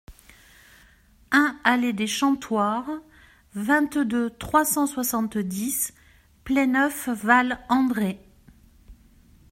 un allée des Chantoirs, vingt-deux, trois cent soixante-dix, Pléneuf-Val-André